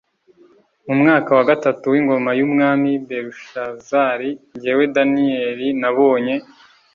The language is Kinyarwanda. Mu mwaka wa gatatu w ingoma y umwami Belushazari jyewe Daniyeli nabonye